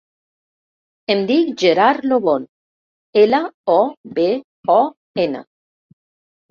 Em dic Gerard Lobon: ela, o, be, o, ena.